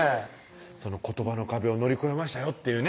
その言葉の壁を乗り越えましたよっていうね